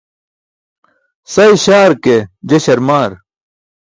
Sa iśaar ke, je śarmaar.